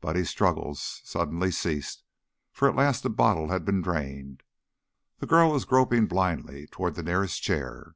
Buddy's struggles suddenly ceased, for at last the bottle had been drained; the girl was groping blindly toward the nearest chair.